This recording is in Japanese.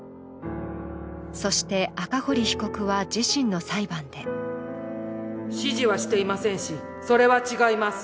そして赤堀被告は自身の裁判で指示はしていませんし、それは違います。